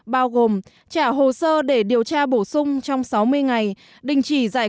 bao gồm trả hồ sơ để điều tra bổ sung trong sáu mươi ngày